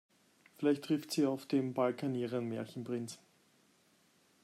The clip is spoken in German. Vielleicht trifft sie ja auf dem Balkan ihren Märchenprinz.